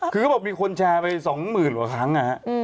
คือก็บอกมีคนแชร์ไปสองหมื่นหลังค่ะ